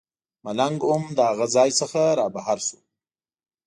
ملنګ هم د هغه ځای څخه رابهر شو.